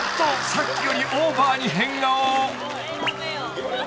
さっきよりオーバーに変顔］